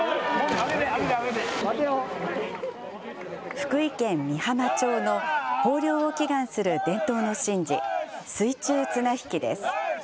福井県美浜町の豊漁を祈願する伝統の神事、水中綱引きです。